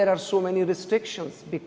mengapa ada banyak restriksi